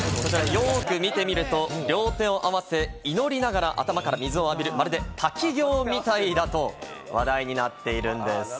よく見てみると両手を合わせ、祈りながら頭から水を浴びる、まるで滝行みたいだと話題になっているんです。